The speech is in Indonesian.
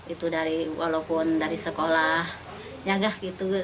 itu dari walaupun dari sekolah